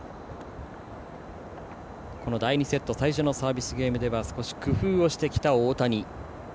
第２セット最初のサービスゲームでは少し工夫をしてきた大谷。